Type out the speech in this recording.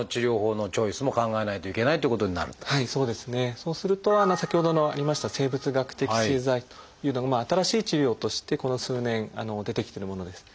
そうすると先ほどのありました生物学的製剤というのが新しい治療としてこの数年出てきてるものです。